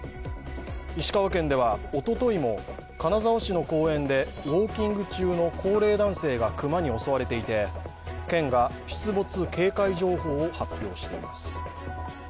石川県ではおとといも金沢市の公園でウォーキング中の高齢男性が熊に襲われていて県が出没警戒情報を発表しています。